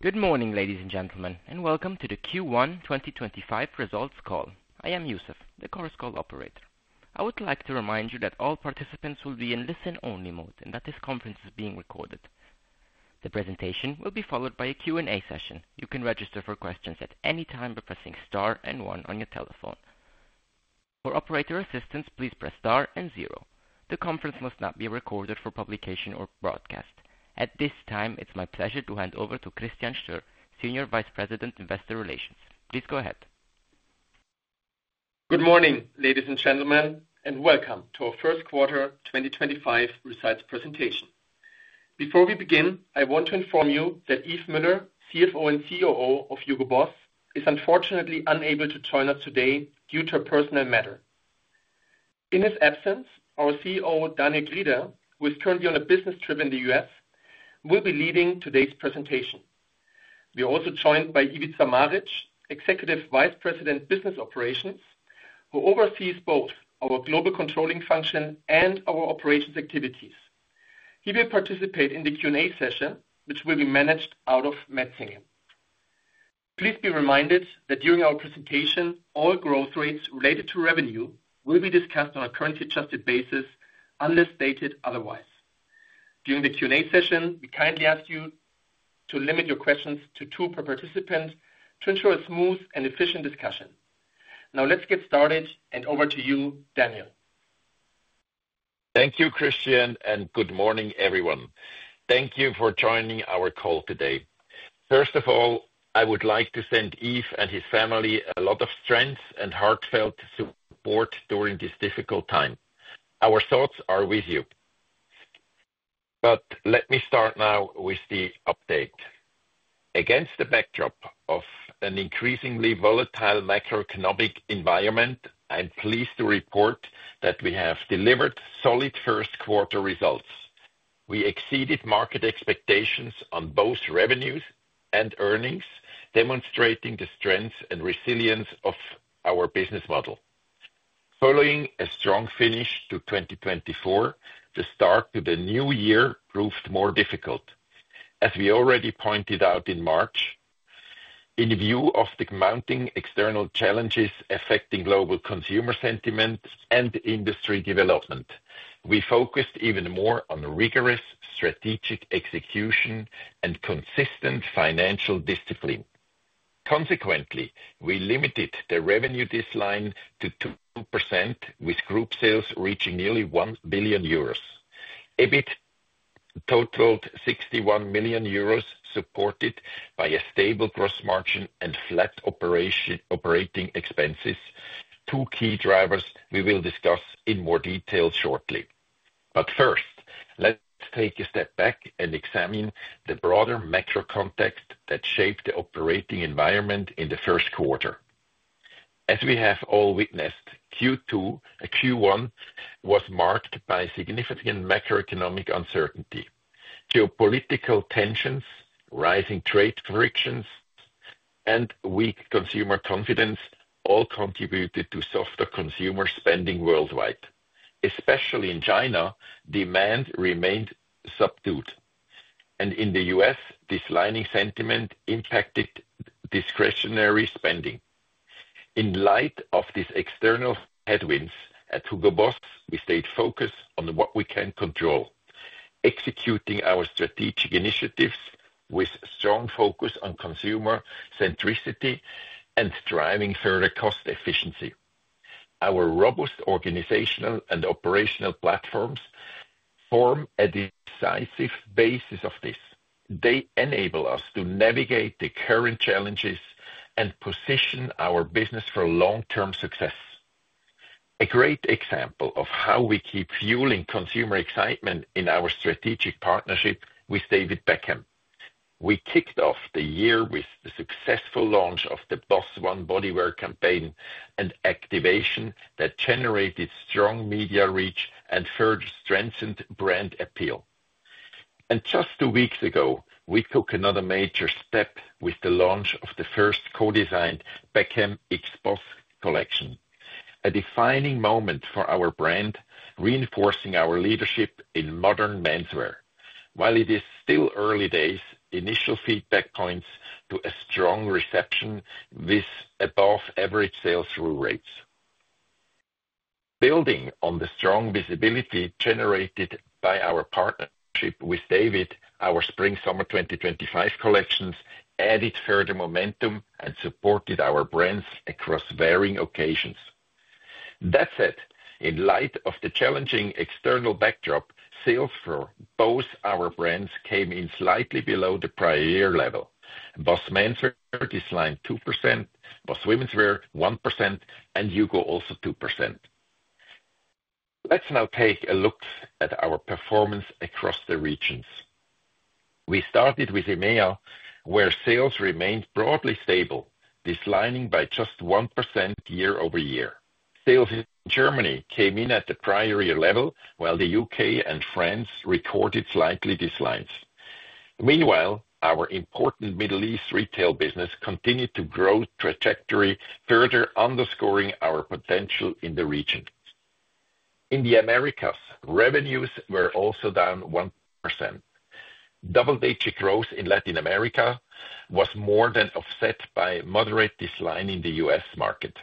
Good morning, ladies and gentlemen, and welcome to the Q1 2025 Results Call. I am Yusuf, the course call operator. I would like to remind you that all participants will be in listen-only mode and that this conference is being recorded. The presentation will be followed by a Q&A session. You can register for questions at any time by pressing Star and one on your telephone. For operator assistance, please press Star and zero. The conference must not be recorded for publication or broadcast. At this time, it's my pleasure to hand over to Christian Stöhr, Senior Vice President, Investor Relations. Please go ahead. Good morning, ladies and gentlemen, and welcome to our First Quarter 2025 Results Presentation. Before we begin, I want to inform you that Yves Müller, CFO and COO of HUGO BOSS, is unfortunately unable to join us today due to a personal matter. In his absence, our CEO, Daniel Grieder, who is currently on a business trip in the US, will be leading today's presentation. We are also joined by Ivica Maric, Executive Vice President, Business Operations, who oversees both our global controlling function and our operations activities. He will participate in the Q&A session, which will be managed out of Metzingen. Please be reminded that during our presentation, all growth rates related to revenue will be discussed on a currency adjusted basis unless stated otherwise. During the Q&A session, we kindly ask you to limit your questions to two per participant to ensure a smooth and efficient discussion. Now let's get started and over to you, Daniel. Thank you, Christian, and good morning, everyone. Thank you for joining our call today. First of all, I would like to send Yves and his family a lot of strength and heartfelt support during this difficult time. Our thoughts are with you. Let me start now with the update. Against the backdrop of an increasingly volatile macroeconomic environment, I'm pleased to report that we have delivered solid first quarter results. We exceeded market expectations on both revenues and earnings, demonstrating the strength and resilience of our business model. Following a strong finish to 2024, the start to the new year proved more difficult. As we already pointed out in March, in view of the mounting external challenges affecting global consumer sentiment and industry development, we focused even more on rigorous strategic execution and consistent financial discipline. Consequently, we limited the revenue discipline to 2%, with group sales reaching nearly 1 billion euros. EBIT totaled 61 million euros, supported by a stable gross margin and flat operating expenses, two key drivers we will discuss in more detail shortly. First, let's take a step back and examine the broader macro context that shaped the operating environment in the first quarter. As we have all witnessed, Q1 was marked by significant macroeconomic uncertainty. Geopolitical tensions, rising trade frictions, and weak consumer confidence all contributed to softer consumer spending worldwide. Especially in China, demand remained subdued, and in the U.S., this lining sentiment impacted discretionary spending. In light of these external headwinds at HUGO BOSS, we stayed focused on what we can control, executing our strategic initiatives with strong focus on consumer centricity and driving further cost efficiency. Our robust organizational and operational platforms form a decisive basis of this. They enable us to navigate the current challenges and position our business for long-term success. A great example of how we keep fueling consumer excitement is our strategic partnership with David Beckham. We kicked off the year with the successful launch of the BOSS ONE Bodywear campaign and activation that generated strong media reach and further strengthened brand appeal. Two weeks ago, we took another major step with the launch of the first co-designed Beckham x BOSS collection, a defining moment for our brand, reinforcing our leadership in modern menswear. While it is still early days, initial feedback points to a strong reception with above-average sales through rates. Building on the strong visibility generated by our partnership with David, our Spring/Summer 2025 collections added further momentum and supported our brands across varying occasions. That said, in light of the challenging external backdrop, sales for both our brands came in slightly below the prior year level. BOSS menswear declined 2%, BOSS womenswear 1%, and HUGO also 2%. Let's now take a look at our performance across the regions. We started with EMEA, where sales remained broadly stable, declining by just 1% year over year. Sales in Germany came in at the prior year level, while the U.K. and France recorded slight declines. Meanwhile, our important Middle East retail business continued to grow trajectory, further underscoring our potential in the region. In the Americas, revenues were also down 1%. Double-digit growth in Latin America was more than offset by moderate decline in the U.S. market.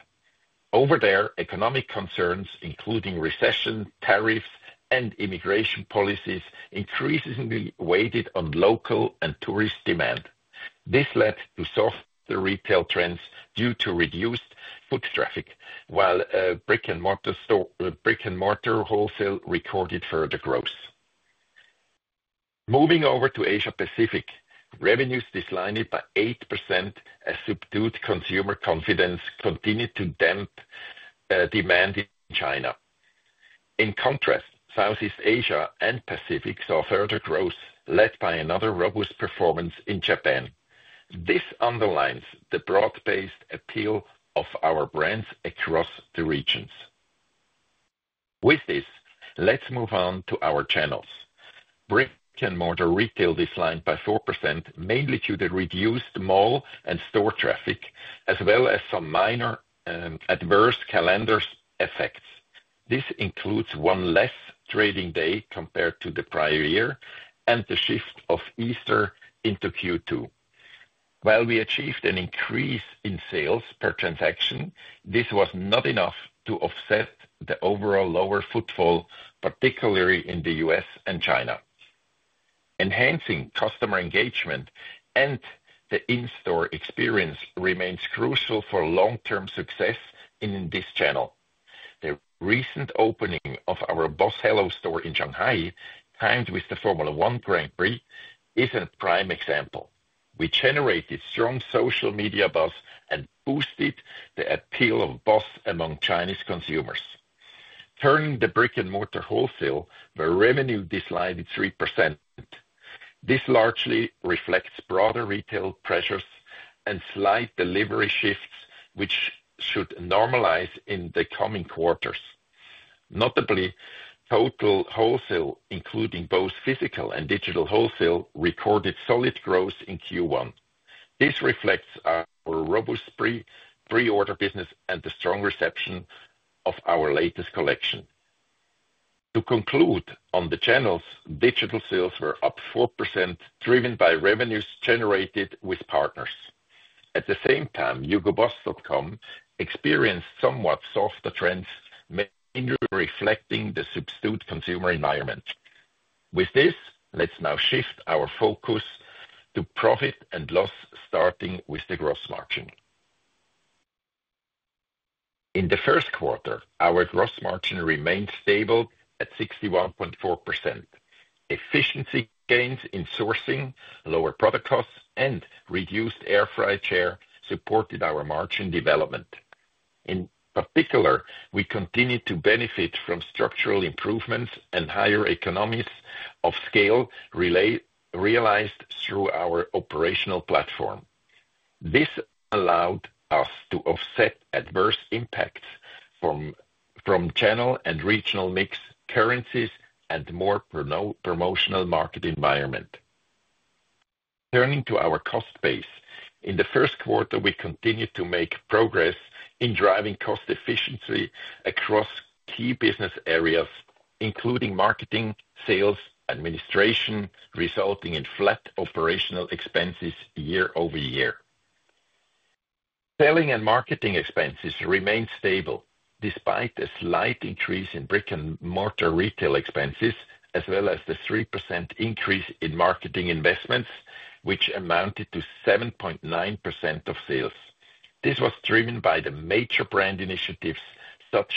Over there, economic concerns, including recession, tariffs, and immigration policies, increasingly weighed on local and tourist demand. This led to softer retail trends due to reduced foot traffic, while brick and mortar wholesale recorded further growth. Moving over to Asia-Pacific, revenues declined by 8% as subdued consumer confidence continued to dampen demand in China. In contrast, Southeast Asia and Pacific saw further growth, led by another robust performance in Japan. This underlines the broad-based appeal of our brands across the regions. With this, let's move on to our channels. Brick and mortar retail declined by 4%, mainly due to the reduced mall and store traffic, as well as some minor adverse calendar effects. This includes one less trading day compared to the prior year and the shift of Easter into Q2. While we achieved an increase in sales per transaction, this was not enough to offset the overall lower footfall, particularly in the U.S. and China. Enhancing customer engagement and the in-store experience remains crucial for long-term success in this channel. The recent opening of our BOSS halo store in Shanghai, timed with the Formula One Grand Prix, is a prime example. We generated strong social media buzz and boosted the appeal of BOSS among Chinese consumers. Turning to the brick and mortar wholesale, the revenue declined 3%. This largely reflects broader retail pressures and slight delivery shifts, which should normalize in the coming quarters. Notably, total wholesale, including both physical and digital wholesale, recorded solid growth in Q1. This reflects our robust pre-order business and the strong reception of our latest collection. To conclude on the channels, digital sales were up 4%, driven by revenues generated with partners. At the same time, hugoboss.com experienced somewhat softer trends, mainly reflecting the subdued consumer environment. With this, let's now shift our focus to profit and loss, starting with the gross margin. In the first quarter, our gross margin remained stable at 61.4%. Efficiency gains in sourcing, lower product costs, and reduced air freight share supported our margin development. In particular, we continued to benefit from structural improvements and higher economies of scale realized through our operational platform. This allowed us to offset adverse impacts from channel and regional mix, currencies, and a more promotional market environment. Turning to our cost base, in the first quarter, we continued to make progress in driving cost efficiency across key business areas, including marketing, sales, administration, resulting in flat operational expenses year over year. Selling and marketing expenses remained stable despite a slight increase in brick and mortar retail expenses, as well as the 3% increase in marketing investments, which amounted to 7.9% of sales. This was driven by the major brand initiatives, such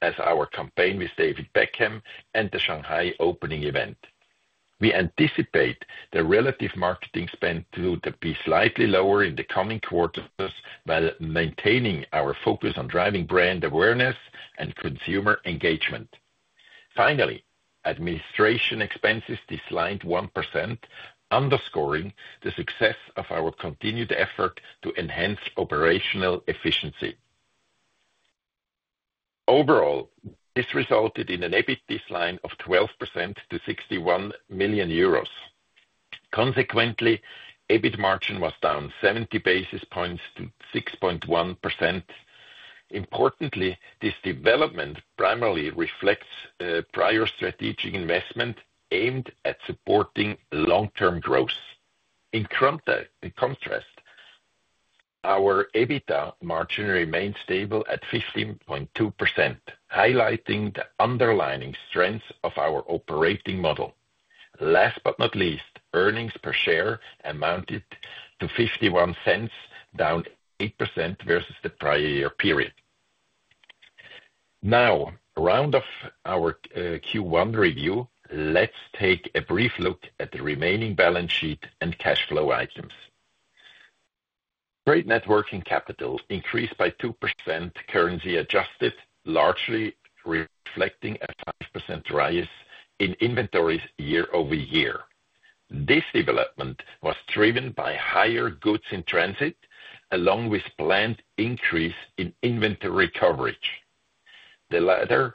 as our campaign with David Beckham and the Shanghai opening event. We anticipate the relative marketing spend to be slightly lower in the coming quarters, while maintaining our focus on driving brand awareness and consumer engagement. Finally, administration expenses declined 1%, underscoring the success of our continued effort to enhance operational efficiency. Overall, this resulted in an EBIT decline of 12% to 61 million euros. Consequently, EBIT margin was down 70 basis points to 6.1%. Importantly, this development primarily reflects prior strategic investment aimed at supporting long-term growth. In contrast, our EBITDA margin remained stable at 15.2%, highlighting the underlying strength of our operating model. Last but not least, earnings per share amounted to 0.51, down 8% versus the prior year period. Now, round of our Q1 review, let's take a brief look at the remaining balance sheet and cash flow items. Trade net working capital increased by 2% currency adjusted, largely reflecting a 5% rise in inventories year over year. This development was driven by higher goods in transit, along with a planned increase in inventory coverage. The latter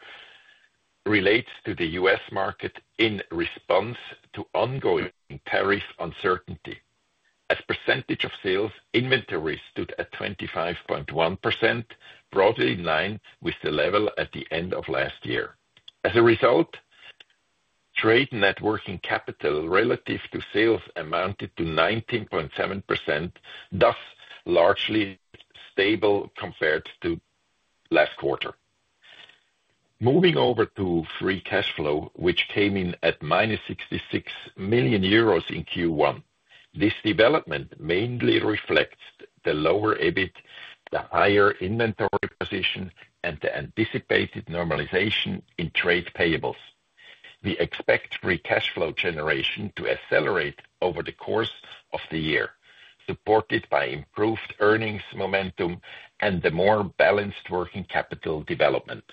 relates to the U.S. market in response to ongoing tariff uncertainty. As a percentage of sales, inventory stood at 25.1%, broadly in line with the level at the end of last year. As a result, trade net working capital relative to sales amounted to 19.7%, thus largely stable compared to last quarter. Moving over to free cash flow, which came in at 66 million euros in Q1. This development mainly reflects the lower EBIT, the higher inventory position, and the anticipated normalization in trade payables. We expect free cash flow generation to accelerate over the course of the year, supported by improved earnings momentum and the more balanced working capital development.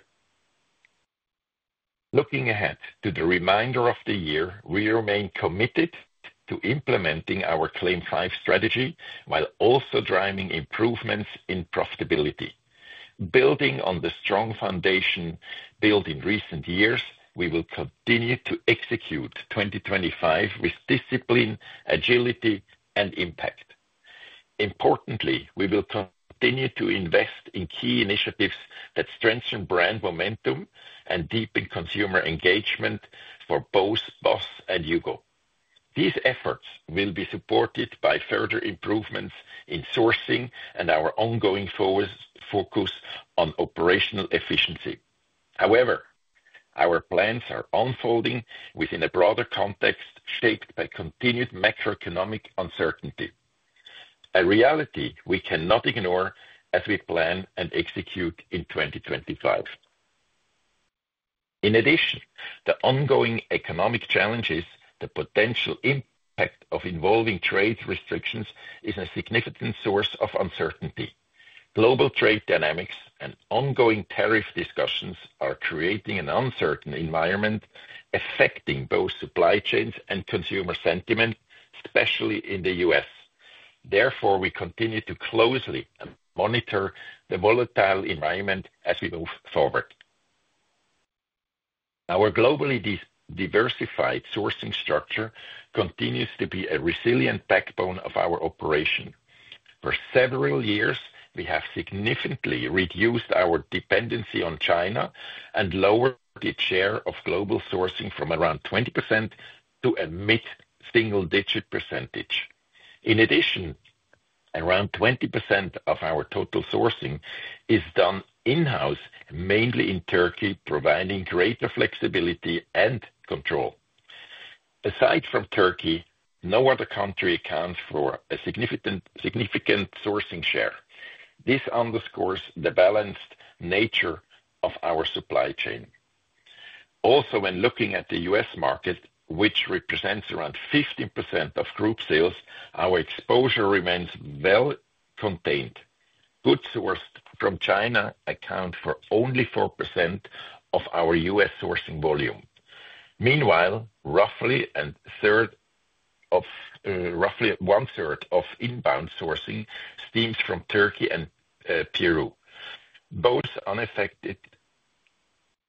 Looking ahead to the remainder of the year, we remain committed to implementing our Claim 5 strategy while also driving improvements in profitability. Building on the strong foundation built in recent years, we will continue to execute 2025 with discipline, agility, and impact. Importantly, we will continue to invest in key initiatives that strengthen brand momentum and deepen consumer engagement for both BOSS and HUGO. These efforts will be supported by further improvements in sourcing and our ongoing focus on operational efficiency. However, our plans are unfolding within a broader context shaped by continued macroeconomic uncertainty, a reality we cannot ignore as we plan and execute in 2025. In addition, the ongoing economic challenges, the potential impact of involving trade restrictions is a significant source of uncertainty. Global trade dynamics and ongoing tariff discussions are creating an uncertain environment affecting both supply chains and consumer sentiment, especially in the U.S. Therefore, we continue to closely monitor the volatile environment as we move forward. Our globally diversified sourcing structure continues to be a resilient backbone of our operation. For several years, we have significantly reduced our dependency on China and lowered the share of global sourcing from around 20% to a mid-single-digit percentage. In addition, around 20% of our total sourcing is done in-house, mainly in Turkey, providing greater flexibility and control. Aside from Turkey, no other country accounts for a significant sourcing share. This underscores the balanced nature of our supply chain. Also, when looking at the U.S. market, which represents around 15% of group sales, our exposure remains well contained. Goods sourced from China account for only 4% of our U.S. sourcing volume. Meanwhile, roughly one-third of inbound sourcing stems from Turkey and Peru, both unaffected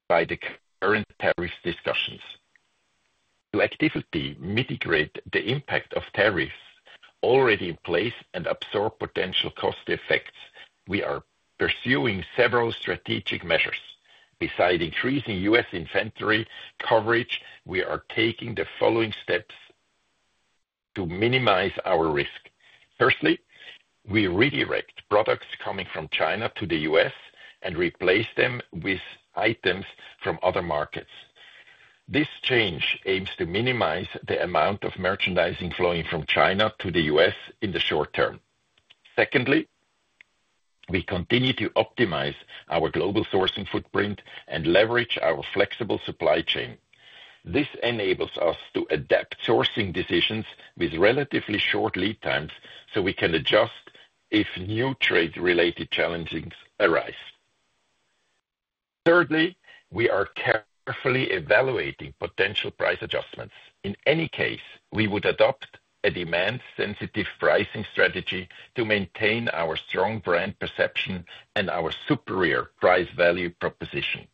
by the current tariff discussions. To actively mitigate the impact of tariffs already in place and absorb potential cost effects, we are pursuing several strategic measures. Beside increasing U.S. inventory coverage, we are taking the following steps to minimize our risk. Firstly, we redirect products coming from China to the U.S. and replace them with items from other markets. This change aims to minimize the amount of merchandising flowing from China to the U.S. in the short term. Secondly, we continue to optimize our global sourcing footprint and leverage our flexible supply chain. This enables us to adapt sourcing decisions with relatively short lead times so we can adjust if new trade-related challenges arise. Thirdly, we are carefully evaluating potential price adjustments. In any case, we would adopt a demand-sensitive pricing strategy to maintain our strong brand perception and our superior price value proposition.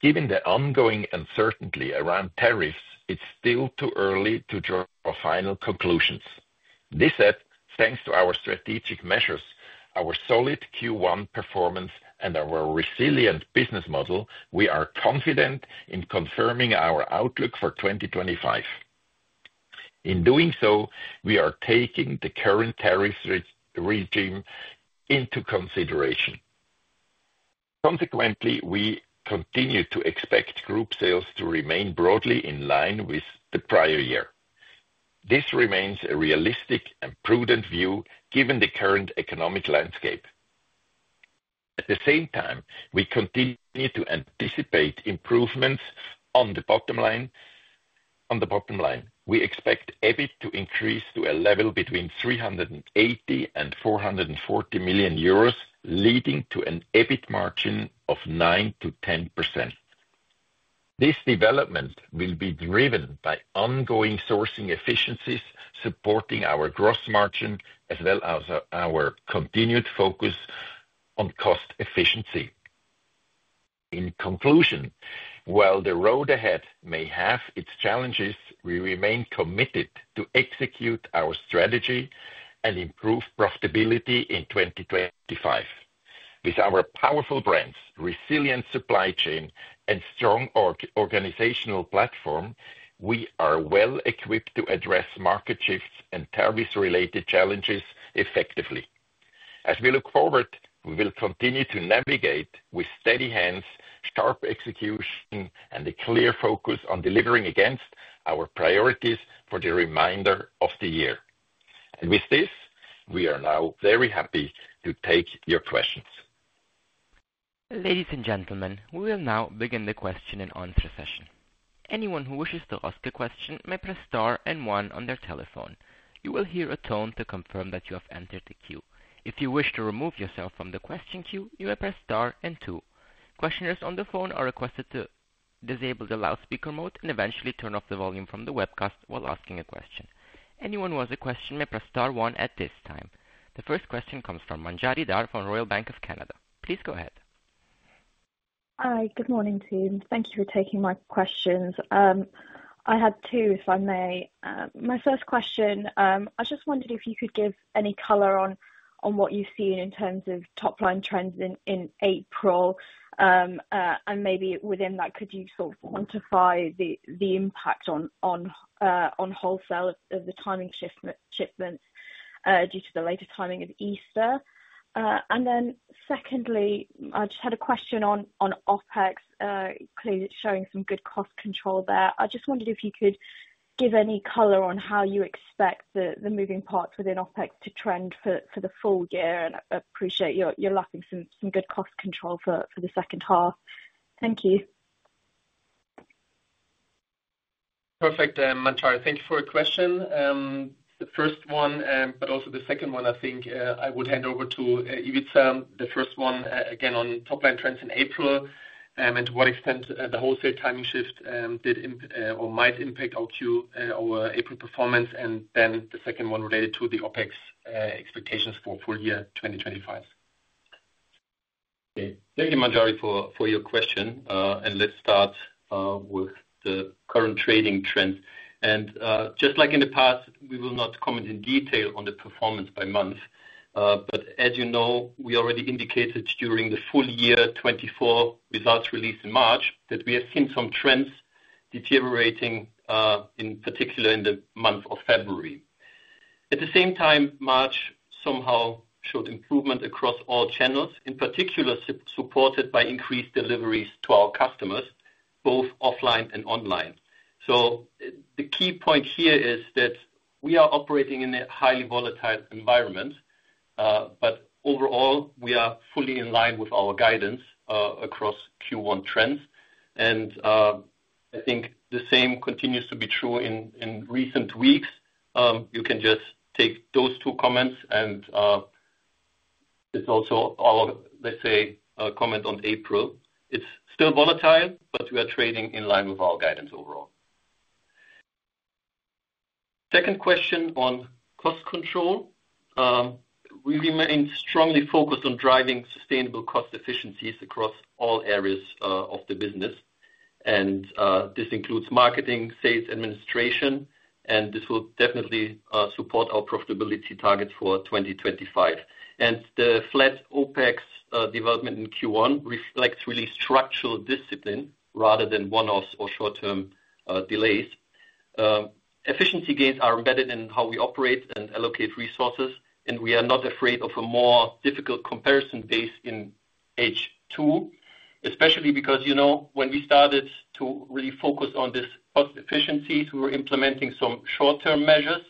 Given the ongoing uncertainty around tariffs, it's still too early to draw final conclusions. This said, thanks to our strategic measures, our solid Q1 performance, and our resilient business model, we are confident in confirming our outlook for 2025. In doing so, we are taking the current tariff regime into consideration. Consequently, we continue to expect group sales to remain broadly in line with the prior year. This remains a realistic and prudent view given the current economic landscape. At the same time, we continue to anticipate improvements on the bottom line. On the bottom line, we expect EBIT to increase to a level between 380 million and 440 million euros, leading to an EBIT margin of 9%-10%. This development will be driven by ongoing sourcing efficiencies supporting our gross margin, as well as our continued focus on cost efficiency. In conclusion, while the road ahead may have its challenges, we remain committed to execute our strategy and improve profitability in 2025. With our powerful brands, resilient supply chain, and strong organizational platform, we are well equipped to address market shifts and tariff-related challenges effectively. As we look forward, we will continue to navigate with steady hands, sharp execution, and a clear focus on delivering against our priorities for the remainder of the year. With this, we are now very happy to take your questions. Ladies and gentlemen, we will now begin the question and answer session. Anyone who wishes to ask a question may press Star and One on their telephone. You will hear a tone to confirm that you have entered the queue. If you wish to remove yourself from the question queue, you may press Star and Two. Questioners on the phone are requested to disable the loudspeaker mode and eventually turn off the volume from the webcast while asking a question. Anyone who has a question may press Star One at this time. The first question comes from Manjari Dhar from Royal Bank of Canada. Please go ahead. Hi, good morning team. Thank you for taking my questions. I had two, if I may. My first question, I just wondered if you could give any color on what you've seen in terms of top-line trends in April. Maybe within that, could you sort of quantify the impact on wholesale of the timing shipments due to the later timing of Easter? Secondly, I just had a question on OpEx, clearly showing some good cost control there. I just wondered if you could give any color on how you expect the moving parts within OpEx to trend for the full year. I appreciate you're lacking some good cost control for the second half. Thank you. Perfect, Manjari. Thank you for your question. The first one, but also the second one, I think I would hand over to Ivica. The first one, again, on top-line trends in April and to what extent the wholesale timing shift did or might impact our Q, our April performance. The second one related to the OpEx expectations for full year 2025. Thank you, Manjari, for your question. Let's start with the current trading trends. Just like in the past, we will not comment in detail on the performance by month. As you know, we already indicated during the full year 2024 results released in March that we have seen some trends deteriorating, in particular in the month of February. At the same time, March somehow showed improvement across all channels, in particular supported by increased deliveries to our customers, both offline and online. The key point here is that we are operating in a highly volatile environment, but overall, we are fully in line with our guidance across Q1 trends. I think the same continues to be true in recent weeks. You can just take those two comments. It is also our, let's say, comment on April. It is still volatile, but we are trading in line with our guidance overall. Second question on cost control. We remain strongly focused on driving sustainable cost efficiencies across all areas of the business. This includes marketing, sales, administration. This will definitely support our profitability targets for 2025. The flat OpEx development in Q1 reflects really structural discipline rather than one-offs or short-term delays. Efficiency gains are embedded in how we operate and allocate resources. We are not afraid of a more difficult comparison base in H2, especially because when we started to really focus on this cost efficiency, we were implementing some short-term measures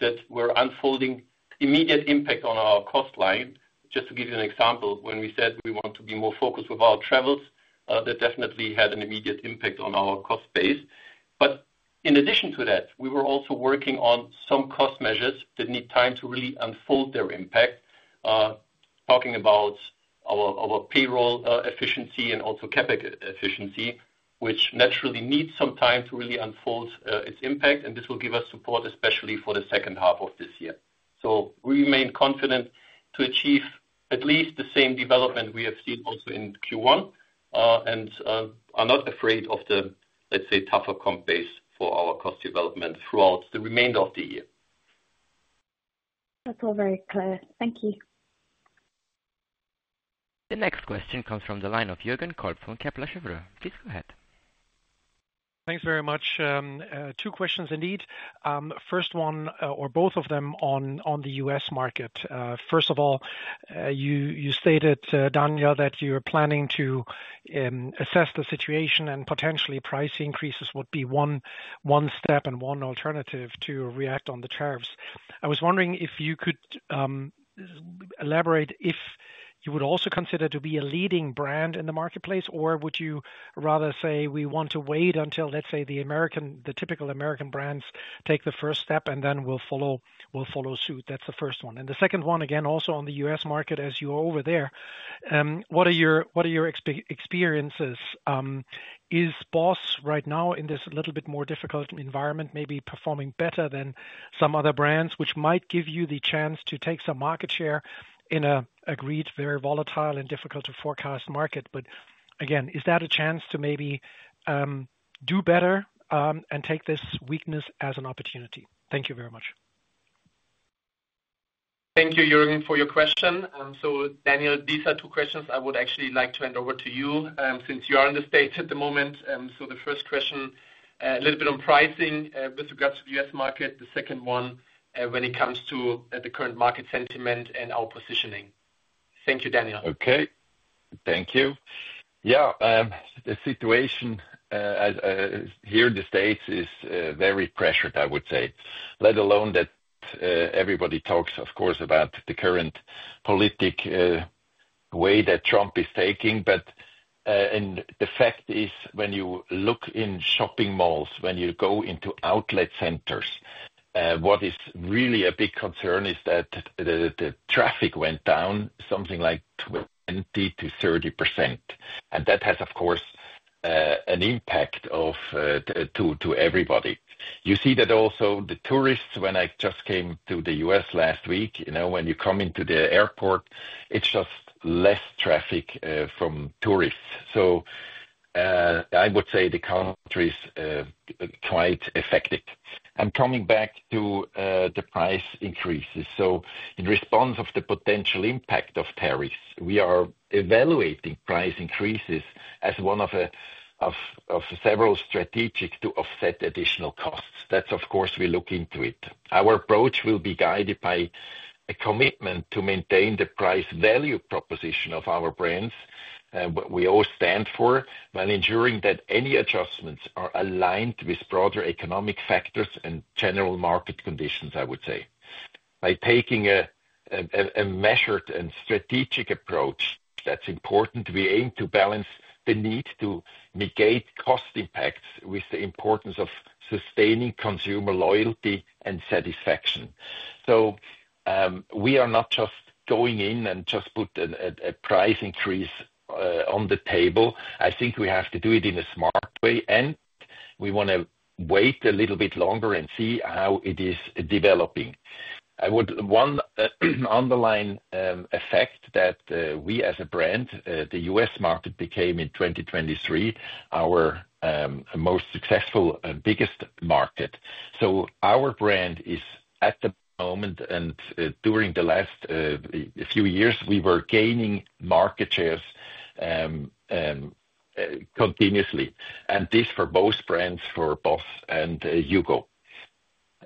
that were unfolding immediate impact on our cost line. Just to give you an example, when we said we want to be more focused with our travels, that definitely had an immediate impact on our cost base. In addition to that, we were also working on some cost measures that need time to really unfold their impact, talking about our payroll efficiency and also CapEx efficiency, which naturally needs some time to really unfold its impact. This will give us support, especially for the second half of this year. We remain confident to achieve at least the same development we have seen also in Q1 and are not afraid of the, let's say, tougher comp base for our cost development throughout the remainder of the year. That's all very clear. Thank you. The next question comes from the line of Jürgen Kolb from Kepler Cheuvreux. Please go ahead. Thanks very much. Two questions indeed. First one, or both of them on the US market. First of all, you stated, Daniel, that you are planning to assess the situation and potentially price increases would be one step and one alternative to react on the tariffs. I was wondering if you could elaborate if you would also consider to be a leading brand in the marketplace, or would you rather say we want to wait until, let's say, the typical American brands take the first step and then we'll follow suit? That's the first one. The second one, again, also on the U.S. market, as you are over there, what are your experiences? Is BOSS right now in this a little bit more difficult environment, maybe performing better than some other brands, which might give you the chance to take some market share in an agreed, very volatile and difficult to forecast market? But again, is that a chance to maybe do better and take this weakness as an opportunity? Thank you very much. Thank you, Jürgen, for your question. So, Daniel, these are two questions I would actually like to hand over to you since you are in the States at the moment. The first question, a little bit on pricing with regards to the U.S. market, the second one when it comes to the current market sentiment and our positioning. Thank you, Daniel. Okay. Thank you. Yeah, the situation here in the States is very pressured, I would say, let alone that everybody talks, of course, about the current political way that Trump is taking. The fact is, when you look in shopping malls, when you go into outlet centers, what is really a big concern is that the traffic went down something like 20%-30%. That has, of course, an impact to everybody. You see that also the tourists, when I just came to the U.S. last week, when you come into the airport, it is just less traffic from tourists. I would say the country is quite affected. Coming back to the price increases, in response to the potential impact of tariffs, we are evaluating price increases as one of several strategies to offset additional costs. Of course, we look into it. Our approach will be guided by a commitment to maintain the price value proposition of our brands, what we all stand for, while ensuring that any adjustments are aligned with broader economic factors and general market conditions, I would say. By taking a measured and strategic approach, that is important. We aim to balance the need to mitigate cost impacts with the importance of sustaining consumer loyalty and satisfaction. We are not just going in and just put a price increase on the table. I think we have to do it in a smart way. We want to wait a little bit longer and see how it is developing. I would want to underline the fact that we, as a brand, the U.S. market became in 2023 our most successful and biggest market. Our brand is at the moment, and during the last few years, we were gaining market shares continuously. This is for both brands, for BOSS and HUGO.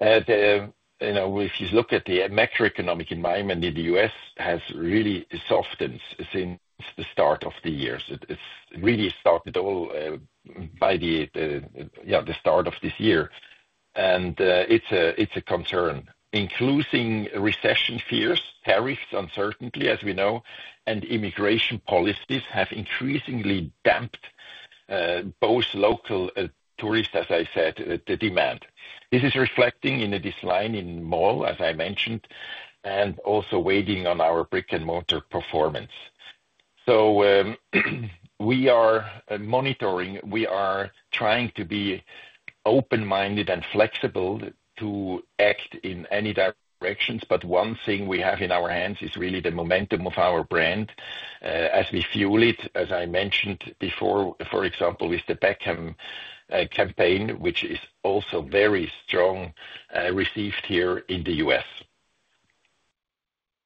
If you look at the macroeconomic environment in the U.S., it has really softened since the start of the year. It really started all by the start of this year. It is a concern, including recession fears, tariffs uncertainty, as we know, and immigration policies have increasingly damped both local tourists, as I said, the demand. This is reflecting in a dislike in mall, as I mentioned, and also waiting on our brick-and-mortar performance. We are monitoring. We are trying to be open-minded and flexible to act in any directions. One thing we have in our hands is really the momentum of our brand as we fuel it, as I mentioned before, for example, with the Beckham campaign, which is also very strongly received here in the U.S..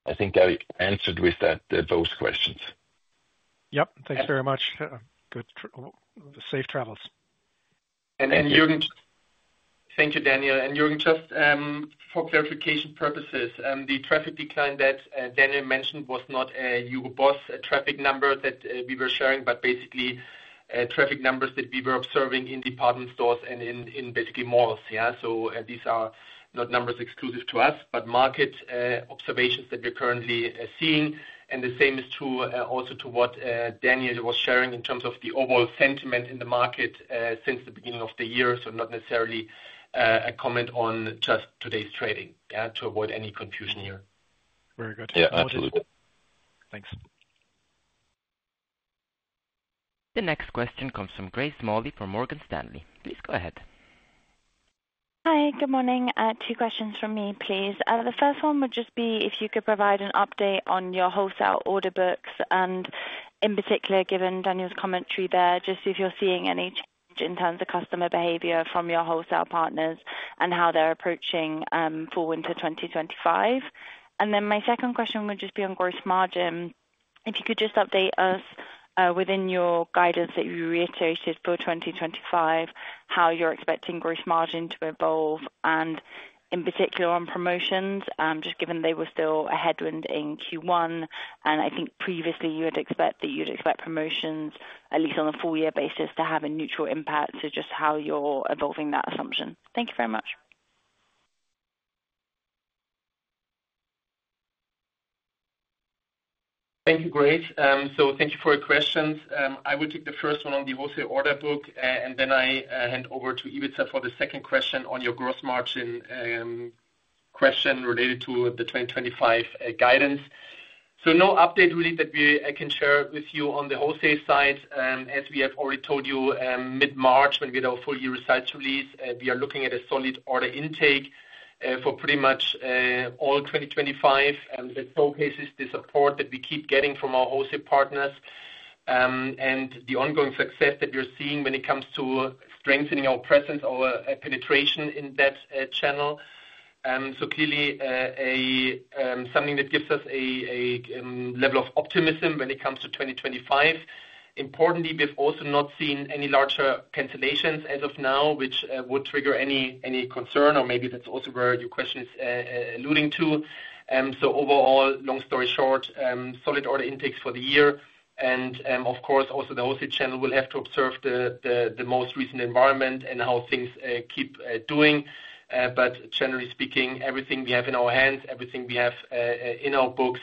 I think I answered with that, those questions. Yep. Thanks very much. Good. Safe travels. Jürgen, thank you, Daniel. Jürgen, just for clarification purposes, the traffic decline that Daniel mentioned was not a HUGO BOSS traffic number that we were sharing, but basically traffic numbers that we were observing in department stores and in basically malls. These are not numbers exclusive to us, but market observations that we're currently seeing. The same is true also to what Daniel was sharing in terms of the overall sentiment in the market since the beginning of the year. Not necessarily a comment on just today's trading to avoid any confusion here. Very good. Absolutely. Thanks. The next question comes from Grace Morley from Morgan Stanley. Please go ahead. Hi, good morning. Two questions from me, please. The first one would just be if you could provide an update on your wholesale order books. In particular, given Daniel's commentary there, just if you're seeing any change in terms of customer behavior from your wholesale partners and how they're approaching for winter 2025. My second question would just be on gross margin. If you could just update us within your guidance that you reiterated for 2025, how you're expecting gross margin to evolve, and in particular on promotions, just given they were still a headwind in Q1. I think previously you had expected that you'd expect promotions, at least on a full-year basis, to have a neutral impact. Just how you're evolving that assumption. Thank you very much. Thank you, Grace. Thank you for your questions. I will take the first one on the wholesale order book, and then I hand over to Ivica for the second question on your gross margin question related to the 2025 guidance. No update really that I can share with you on the wholesale side. As we have already told you, mid-March, when we had our full-year results release, we are looking at a solid order intake for pretty much all 2025. That showcases the support that we keep getting from our wholesale partners and the ongoing success that we're seeing when it comes to strengthening our presence, our penetration in that channel. Clearly, something that gives us a level of optimism when it comes to 2025. Importantly, we've also not seen any larger cancellations as of now, which would trigger any concern, or maybe that's also where your question is alluding to. Overall, long story short, solid order intakes for the year. Of course, also the wholesale channel will have to observe the most recent environment and how things keep doing. Generally speaking, everything we have in our hands, everything we have in our books,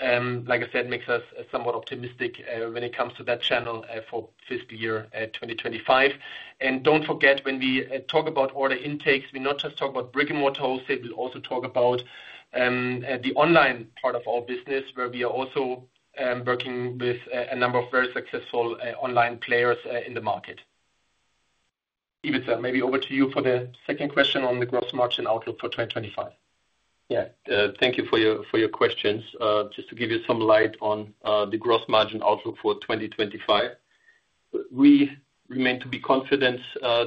like I said, makes us somewhat optimistic when it comes to that channel for fiscal year 2025. Do not forget, when we talk about order intakes, we not just talk about brick-and-mortar wholesale. We also talk about the online part of our business, where we are also working with a number of very successful online players in the market. Ivica, maybe over to you for the second question on the gross margin outlook for 2025. Yeah. Thank you for your questions. Just to give you some light on the gross margin outlook for 2025, we remain to be confident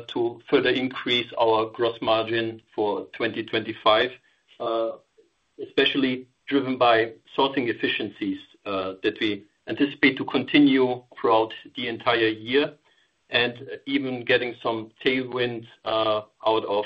to further increase our gross margin for 2025, especially driven by sourcing efficiencies that we anticipate to continue throughout the entire year and even getting some tailwinds out of,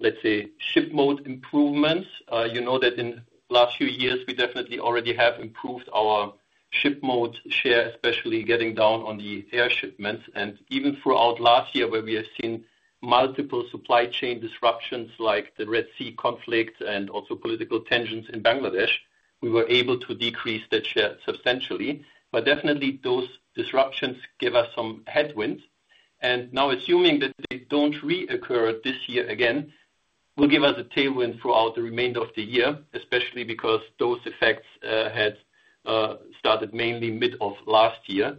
let's say, ship mode improvements. You know that in the last few years, we definitely already have improved our ship mode share, especially getting down on the air shipments. Even throughout last year, where we have seen multiple supply chain disruptions like the Red Sea conflict and also political tensions in Bangladesh, we were able to decrease that share substantially. Definitely, those disruptions give us some headwinds. Now, assuming that they do not reoccur this year again, it will give us a tailwind throughout the remainder of the year, especially because those effects had started mainly mid of last year.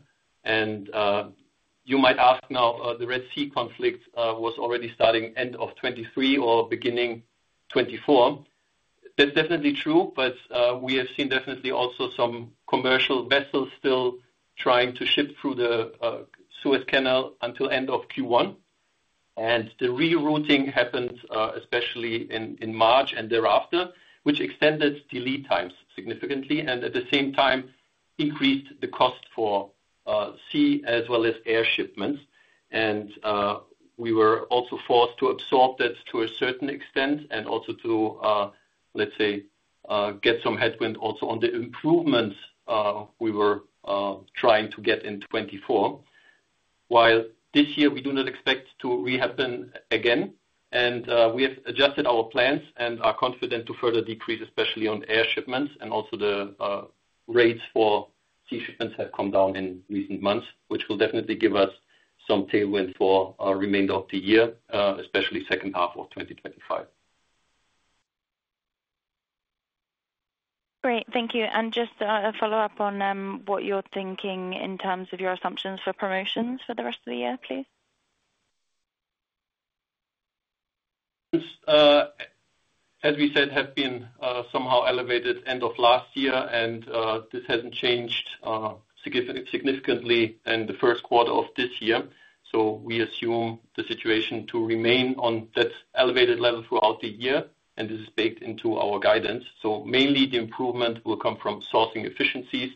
You might ask now, the Red Sea conflict was already starting end of 2023 or beginning 2024. That is definitely true, but we have seen definitely also some commercial vessels still trying to ship through the Suez Canal until end of Q1. The rerouting happened especially in March and thereafter, which extended delay times significantly and at the same time increased the cost for sea as well as air shipments. We were also forced to absorb that to a certain extent and also to, let's say, get some headwind also on the improvements we were trying to get in 2024. This year, we do not expect that to happen again. We have adjusted our plans and are confident to further decrease, especially on air shipments. Also, the rates for sea shipments have come down in recent months, which will definitely give us some tailwind for the remainder of the year, especially second half of 2025. Great. Thank you. Just a follow-up on what you're thinking in terms of your assumptions for promotions for the rest of the year, please. As we said, have been somehow elevated end of last year, and this has not changed significantly in the first quarter of this year. We assume the situation to remain on that elevated level throughout the year, and this is baked into our guidance. Mainly, the improvement will come from sourcing efficiencies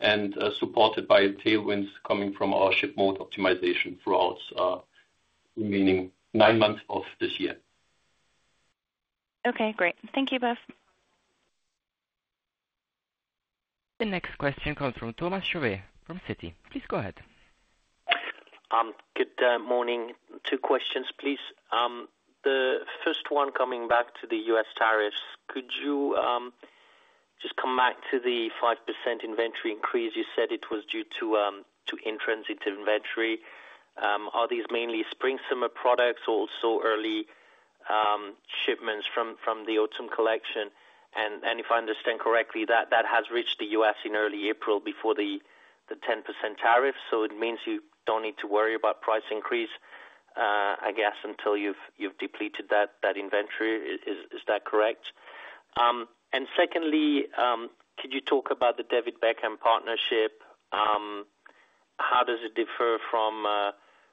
and supported by tailwinds coming from our ship mode optimization throughout the remaining nine months of this year. Okay. Great. Thank you both. The next question comes from Thomas Huguet from Citi. Please go ahead. Good morning. Two questions, please. The first one, coming back to the U.S. tariffs. Could you just come back to the 5% inventory increase? You said it was due to intrinsic inventory. Are these mainly spring-summer products or also early shipments from the autumn collection? If I understand correctly, that has reached the U.S. in early April before the 10% tariff. It means you do not need to worry about price increase, I guess, until you have depleted that inventory. Is that correct? And secondly, could you talk about the David Beckham partnership? How does it differ from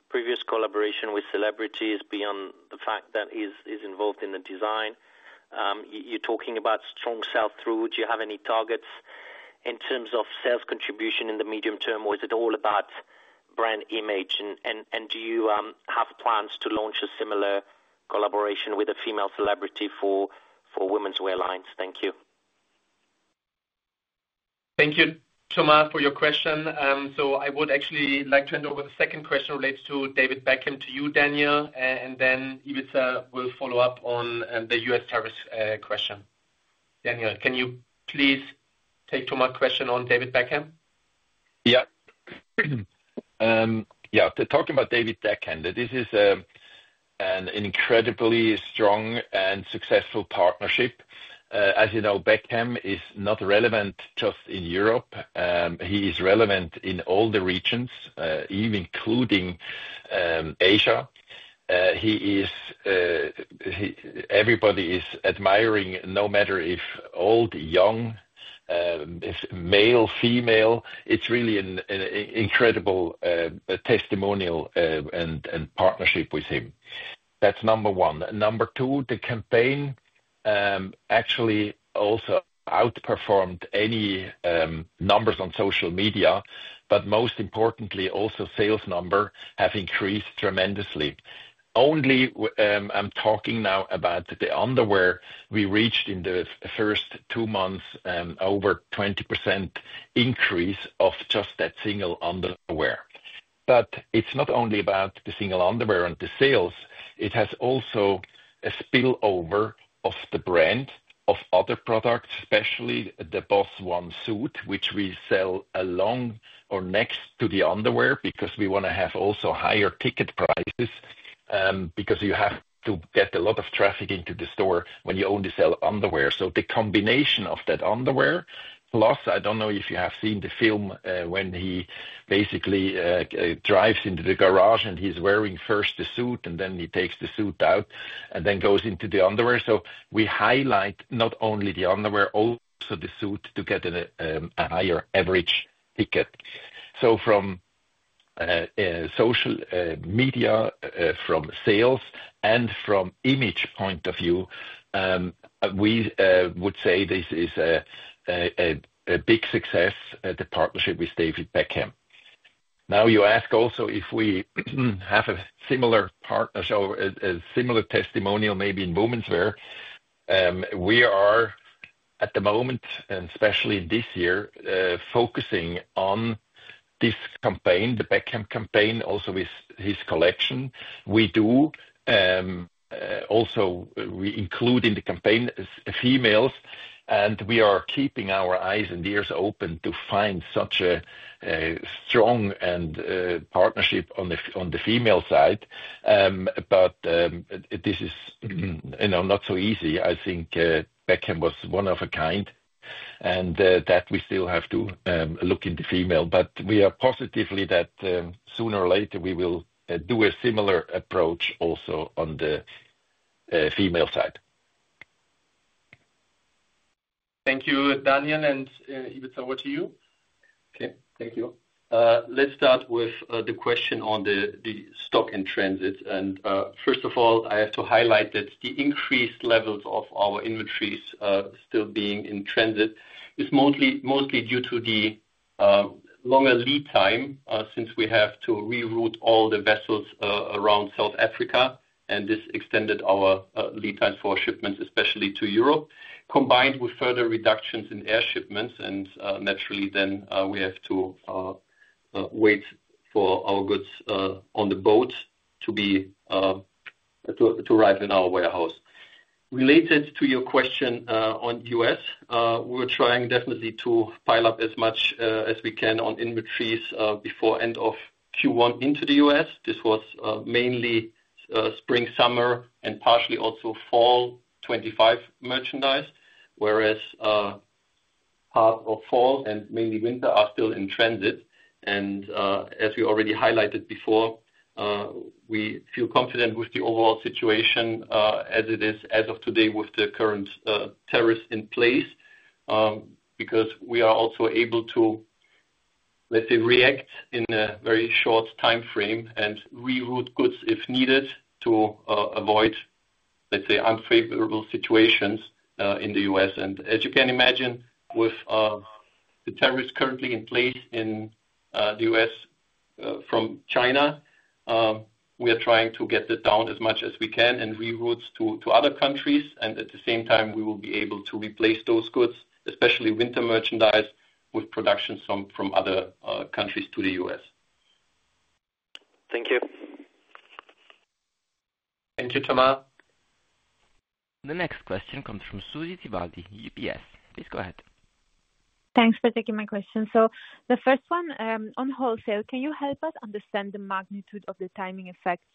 previous collaboration with celebrities beyond the fact that he is involved in the design? You're talking about strong sales through. Do you have any targets in terms of sales contribution in the medium term, or is it all about brand image? And do you have plans to launch a similar collaboration with a female celebrity for women's wear lines? Thank you. Thank you, Thomas, for your question. I would actually like to hand over the second question related to David Beckham to you, Daniel, and then Ivica will follow up on the U.S. tariff question. Daniel, can you please take Thomas' question on David Beckham? Yeah. Talking about David Beckham, this is an incredibly strong and successful partnership. As you know, Beckham is not relevant just in Europe. He is relevant in all the regions, even including Asia. Everybody is admiring, no matter if old, young, male, female. It's really an incredible testimonial and partnership with him. That's number one. Number two, the campaign actually also outperformed any numbers on social media, but most importantly, also sales numbers have increased tremendously. Only I'm talking now about the underwear. We reached in the first two months over 20% increase of just that single underwear. It's not only about the single underwear and the sales. It has also a spillover of the brand of other products, especially the BOSS ONE suit, which we sell along or next to the underwear because we want to have also higher ticket prices because you have to get a lot of traffic into the store when you only sell underwear. The combination of that underwear, plus I do not know if you have seen the film when he basically drives into the garage and he is wearing first the suit, and then he takes the suit out and then goes into the underwear. We highlight not only the underwear, also the suit to get a higher average ticket. From social media, from sales, and from image point of view, we would say this is a big success, the partnership with David Beckham. You ask also if we have a similar partnership or a similar testimonial maybe in womenswear. We are at the moment, and especially this year, focusing on this campaign, the Beckham campaign, also with his collection. We do also include in the campaign females, and we are keeping our eyes and ears open to find such a strong partnership on the female side. This is not so easy. I think Beckham was one of a kind, and that we still have to look into female. We are positive that sooner or later we will do a similar approach also on the female side. Thank you, Daniel. And Ivica, over to you. Okay. Thank you. Let's start with the question on the stock in transit. First of all, I have to highlight that the increased levels of our inventories still being in transit is mostly due to the longer lead time since we have to reroute all the vessels around South Africa. This extended our lead time for shipments, especially to Europe, combined with further reductions in air shipments. Naturally, then we have to wait for our goods on the boat to arrive in our warehouse. Related to your question on U.S., we're trying definitely to pile up as much as we can on inventories before end of Q1 into the US. This was mainly spring, summer, and partially also fall 2025 merchandise, whereas part of fall and mainly winter are still in transit. As we already highlighted before, we feel confident with the overall situation as it is as of today with the current tariffs in place because we are also able to, let's say, react in a very short time frame and reroute goods if needed to avoid, let's say, unfavorable situations in the U.S.. As you can imagine, with the tariffs currently in place in the US from China, we are trying to get it down as much as we can and reroute to other countries. At the same time, we will be able to replace those goods, especially winter merchandise, with production from other countries to the U.S.. Thank you. Thank you, Thomas. The next question comes from Susy Tibaldi, UBS. Please go ahead. Thanks for taking my question. The first one, on wholesale, can you help us understand the magnitude of the timing effects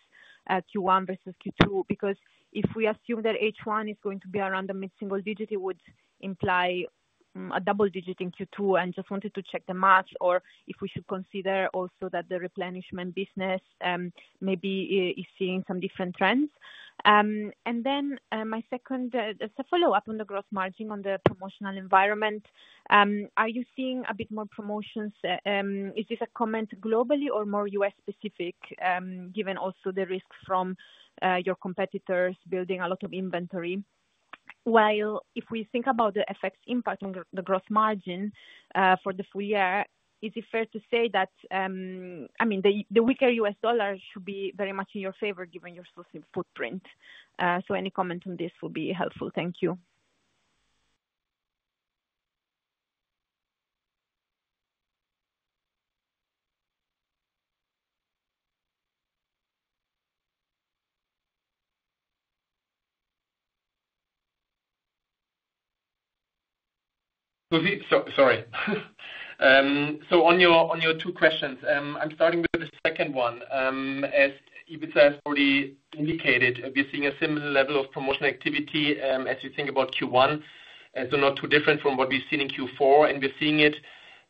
at Q1 versus Q2? Because if we assume that H1 is going to be around the mid-single digit, it would imply a double digit in Q2. I just wanted to check the match or if we should consider also that the replenishment business maybe is seeing some different trends. My second, just a follow-up on the gross margin on the promotional environment. Are you seeing a bit more promotions? Is this a comment globally or more U.S.-specific, given also the risk from your competitors building a lot of inventory? While if we think about the effects impacting the gross margin for the full year, is it fair to say that, I mean, the weaker U.S. dollar should be very much in your favor given your sourcing footprint? Any comment on this would be helpful. Thank you. Sorry. On your two questions, I'm starting with the second one. As Ivica has already indicated, we're seeing a similar level of promotional activity as we think about Q1, so not too different from what we've seen in Q4. We're seeing it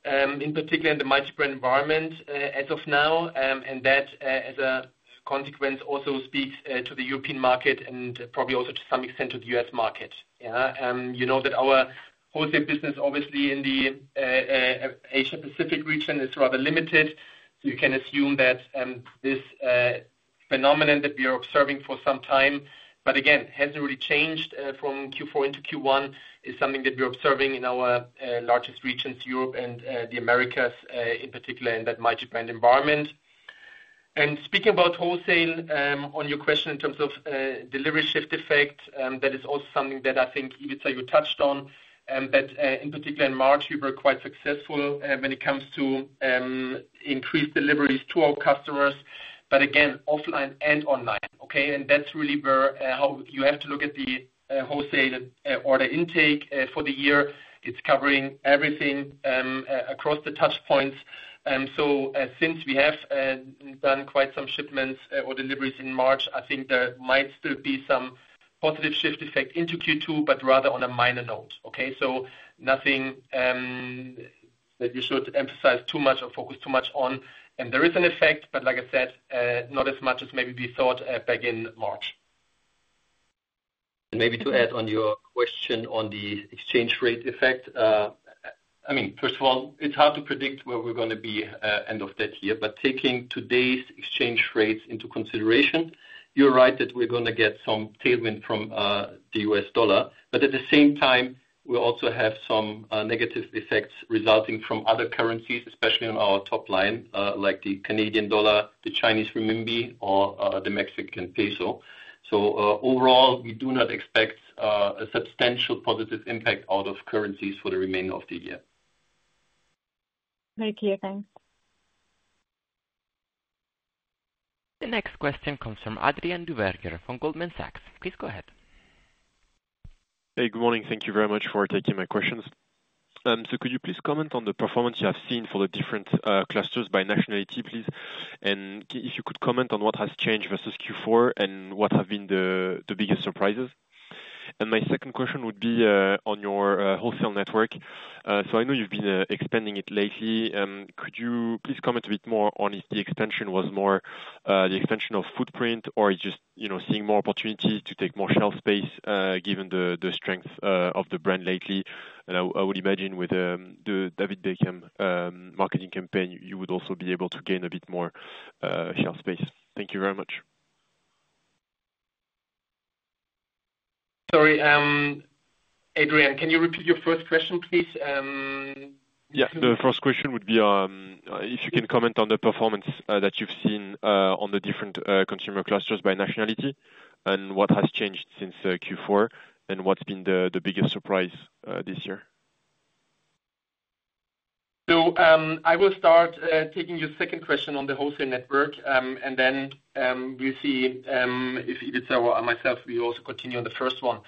in particular in the multi-brand environment as of now. That, as a consequence, also speaks to the European market and probably also to some extent to the U.S. market. You know that our wholesale business, obviously, in the Asia-Pacific region is rather limited. You can assume that this phenomenon that we are observing for some time, but again, has not really changed from Q4 into Q1, is something that we are observing in our largest regions, Europe and the Americas in particular, in that multi-brand environment. Speaking about wholesale, on your question in terms of delivery shift effect, that is also something that I think Ivica, you touched on, that in particular in March, we were quite successful when it comes to increased deliveries to our customers, offline and online. Okay? That is really how you have to look at the wholesale order intake for the year. It is covering everything across the touchpoints. Since we have done quite some shipments or deliveries in March, I think there might still be some positive shift effect into Q2, but rather on a minor note. Okay? Nothing that you should emphasize too much or focus too much on. There is an effect, but like I said, not as much as maybe we thought back in March. Maybe to add on your question on the exchange rate effect, I mean, first of all, it's hard to predict where we're going to be end of that year. Taking today's exchange rates into consideration, you're right that we're going to get some tailwind from the U.S. dollar. At the same time, we also have some negative effects resulting from other currencies, especially on our top line, like the Canadian dollar, the Chinese renminbi, or the Mexican peso. Overall, we do not expect a substantial positive impact out of currencies for the remainder of the year. Very clear. Thanks. The next question comes from Adrien Duverger from Goldman Sachs. Please go ahead. Hey, good morning. Thank you very much for taking my questions. Could you please comment on the performance you have seen for the different clusters by nationality, please? If you could comment on what has changed versus Q4 and what have been the biggest surprises. My second question would be on your wholesale network. I know you have been expanding it lately. Could you please comment a bit more on if the expansion was more the expansion of footprint or just seeing more opportunities to take more shelf space given the strength of the brand lately? I would imagine with the David Beckham marketing campaign, you would also be able to gain a bit more shelf space. Thank you very much. Sorry, Adrien, can you repeat your first question, please? Yeah. The first question would be if you can comment on the performance that you've seen on the different consumer clusters by nationality and what has changed since Q4 and what's been the biggest surprise this year. I will start taking your second question on the wholesale network, and then we'll see if Ivica or myself, we also continue on the first one.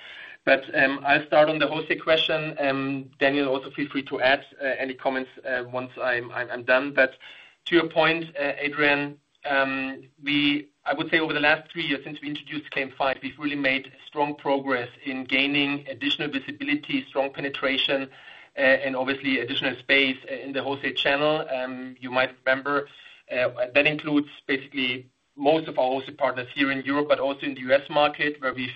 I will start on the wholesale question. Daniel, also feel free to add any comments once I'm done. To your point, Adrien, I would say over the last three years since we introduced Claim 5, we've really made strong progress in gaining additional visibility, strong penetration, and obviously additional space in the wholesale channel. You might remember that includes basically most of our wholesale partners here in Europe, but also in the U.S. market, where we've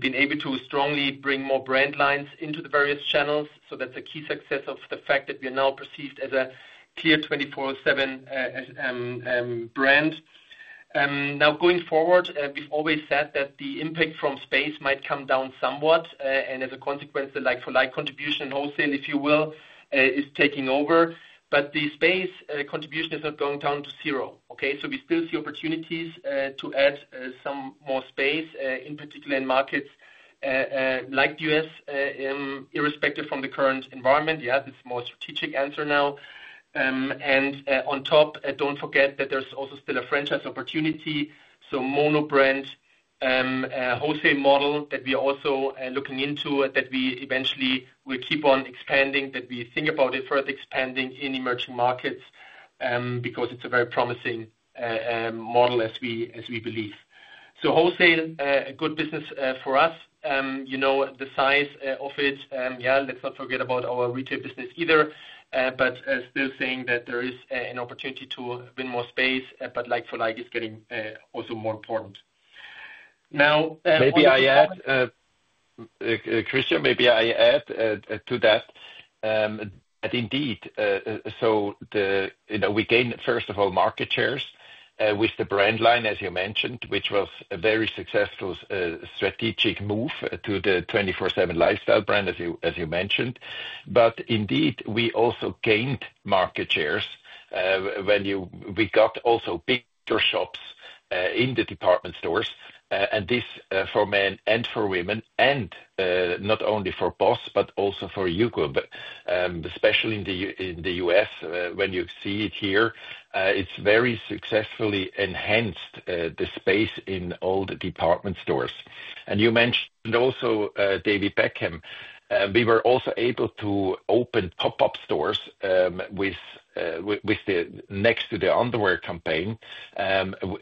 been able to strongly bring more brand lines into the various channels. That's a key success of the fact that we are now perceived as a clear 24/7 brand. Now, going forward, we've always said that the impact from space might come down somewhat. As a consequence, the like-for-like contribution in wholesale, if you will, is taking over. The space contribution is not going down to zero. Okay? We still see opportunities to add some more space, in particular in markets like the U.S., irrespective from the current environment. Yeah, it's a more strategic answer now. On top, do not forget that there's also still a franchise opportunity. So monobrand wholesale model that we are also looking into, that we eventually will keep on expanding, that we think about further expanding in emerging markets because it's a very promising model as we believe. So wholesale, a good business for us. You know the size of it. Yeah, let's not forget about our retail business either, but still saying that there is an opportunity to win more space, but like-for-like is getting also more important. Now, maybe I add, Christian, maybe I add to that that indeed, so we gain, first of all, market shares with the brand line, as you mentioned, which was a very successful strategic move to the 24/7 lifestyle brand, as you mentioned. Indeed, we also gained market shares when we got also big store shops in the department stores. This for men and for women and not only for BOSS but also for HUGO, especially in the U.S., when you see it here, it has very successfully enhanced the space in all the department stores. You mentioned also David Beckham. We were also able to open pop-up stores next to the underwear campaign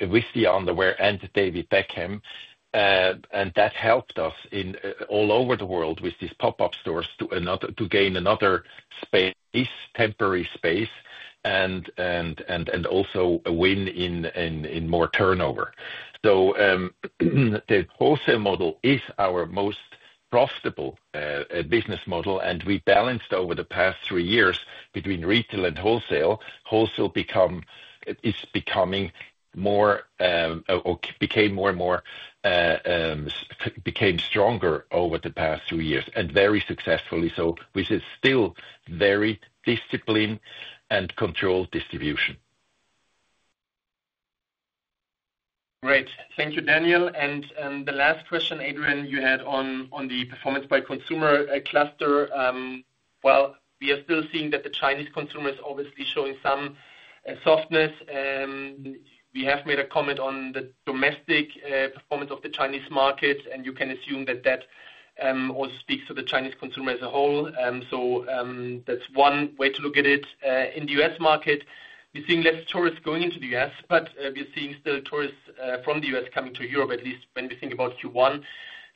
with the underwear and David Beckham. That helped us all over the world with these pop-up stores to gain another space, temporary space, and also a win in more turnover. The wholesale model is our most profitable business model. We balanced over the past three years between retail and wholesale. Wholesale is becoming more or became more and more became stronger over the past three years and very successfully so with still very disciplined and controlled distribution. Great. Thank you, Daniel. The last question, Adrien, you had on the performance by consumer cluster. We are still seeing that the Chinese consumer is obviously showing some softness. We have made a comment on the domestic performance of the Chinese market, and you can assume that that also speaks to the Chinese consumer as a whole. That is one way to look at it. In the U.S. market, we are seeing fewer tourists going into the U.S., but we are still seeing tourists from the U.S. coming to Europe, at least when we think about Q1.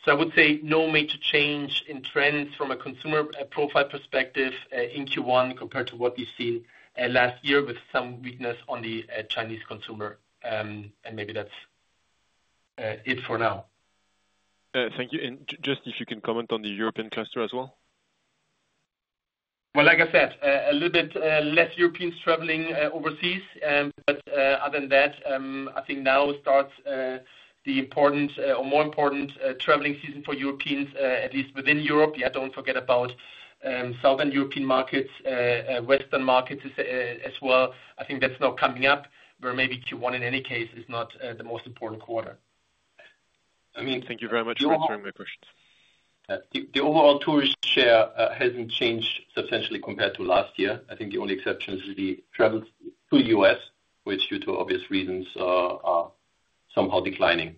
I would say no major change in trends from a consumer profile perspective in Q1 compared to what we've seen last year with some weakness on the Chinese consumer. Maybe that's it for now. Thank you. If you can comment on the European cluster as well. Like I said, a little bit less Europeans traveling overseas. Other than that, I think now starts the important or more important traveling season for Europeans, at least within Europe. Yeah, don't forget about southern European markets, western markets as well. I think that's now coming up where maybe Q1 in any case is not the most important quarter. I mean, thank you very much for answering my questions. The overall tourist share hasn't changed substantially compared to last year. I think the only exception is the travel to the U.S., which due to obvious reasons are somehow declining.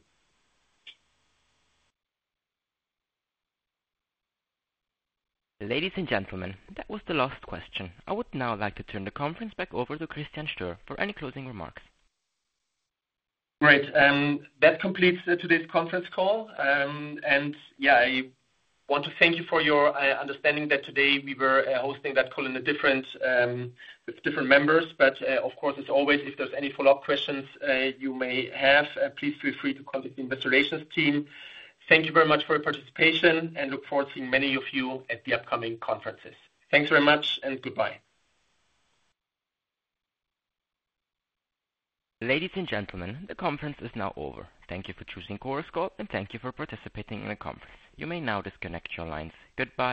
Ladies and gentlemen, that was the last question. I would now like to turn the conference back over to Christian Stöhr for any closing remarks. Great. That completes today's conference call. Yeah, I want to thank you for your understanding that today we were hosting that call with different members. Of course, as always, if there are any follow-up questions you may have, please feel free to contact the investor relations team. Thank you very much for your participation and look forward to seeing many of you at the upcoming conferences. Thanks very much and goodbye. Ladies and gentlemen, the conference is now over. Thank you for choosing Coruscal and thank you for participating in the conference. You may now disconnect your lines. Goodbye.